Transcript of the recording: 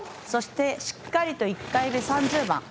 そしてしっかりと１回目、３０番。